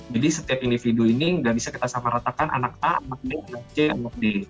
jadi setiap individu ini dan bisa kita samaratakan anak a anak b anak c anak d